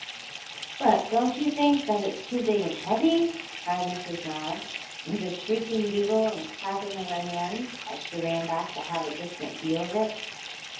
"But don't you think that it's too big and heavy?" cried Mrs Nobbs, with a shrieking giggle and clapping of her hands, as she ran back to have a distant view of it.